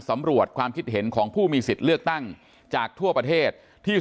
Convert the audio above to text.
สำรวจความคิดเห็นของผู้มีสิทธิ์เลือกตั้งจากทั่วประเทศที่